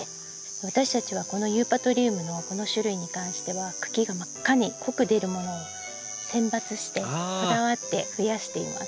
私たちはこのユーパトリウムのこの種類に関しては茎が真っ赤に濃く出るものを選抜してこだわってふやしています。